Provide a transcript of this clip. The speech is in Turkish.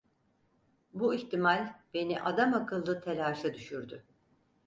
Bu ihtimal beni adamakıllı telaşa düşürdü.